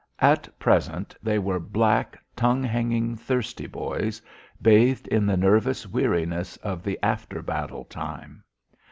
At present, they were black, tongue hanging, thirsty boys, bathed in the nervous weariness of the after battle time.